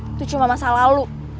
itu cuma masa lalu